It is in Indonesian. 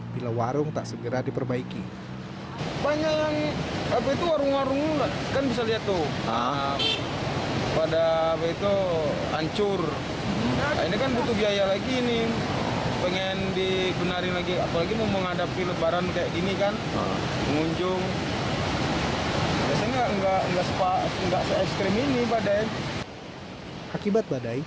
bila warung tak segera diperbaiki